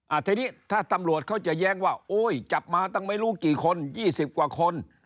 ทีนี้ถ้าตำรวจเขาจะแย้งว่าโอ้ยจับมาตั้งไม่รู้กี่คนยี่สิบกว่าคน